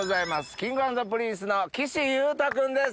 Ｋｉｎｇ＆Ｐｒｉｎｃｅの岸優太君です